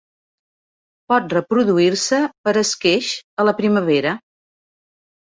Pot reproduir-se per esqueix a la primavera.